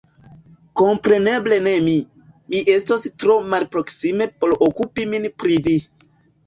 Kompreneble ne mi ; mi estos tro malproksime por okupi min pri vi.